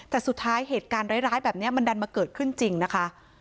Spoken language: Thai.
แต่สุดท้ายเหตุการณ์ร้ายแบบนี้มันดันมาเกิดขึ้นจริงนะคะ